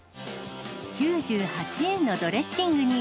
９８円のドレッシングに、